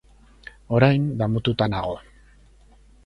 Orain, damutua nago.